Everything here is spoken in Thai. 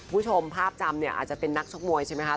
คุณผู้ชมภาพจำเนี่ยอาจจะเป็นนักชกมวยใช่ไหมคะ